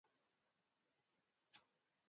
mwaka elfumoja miatano kulileta athira mpya ikiwa